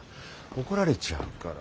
怒られちゃうから。